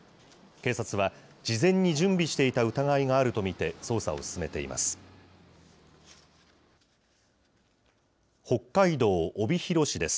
警察は事前に準備していた疑いがあると見て捜査を進めています。